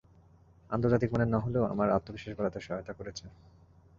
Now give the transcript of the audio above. আন্তর্জাতিক মানের না হলেও আমার আত্মবিশ্বাস বাড়াতে সহায়তা করছে।